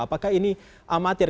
apakah ini amatir